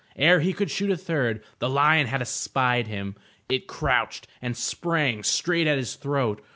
Ere he could shoot a third, the lion had espied him. It crouched and sprang straight at his throat.